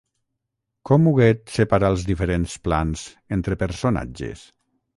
Com Huguet separa els diferents plans entre personatges?